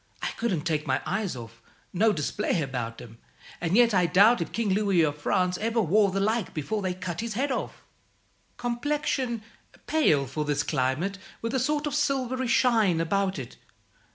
I couldn't take my eyes off no display about 'em and yet I doubt if King Louis of France over wore the like before they cut his head off. Complexion, pale for this climate, with a sort of silvery shine about it.